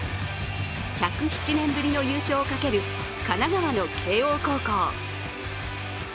１０７年ぶりの優勝をかける神奈川の慶応高校。